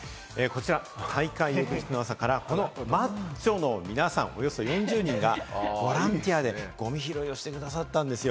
こちら、大会翌日からマッチョの皆さん４０人がボランティアでゴミ拾いをしてくださったんですよ。